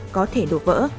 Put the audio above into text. có thể đổ vỡ